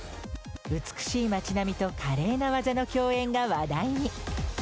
美しい街並みと華麗な技の競演が話題に。